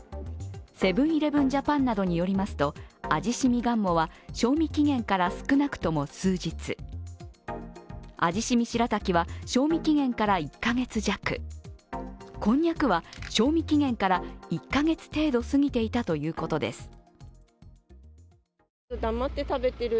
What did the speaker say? セブン−イレブン・ジャパンなどによりますと、味しみがんもは賞味期限から少なくとも数日、味しみ白滝は賞味期限から１カ月弱こんにゃくは賞味期限から１カ月程度過ぎていたということです。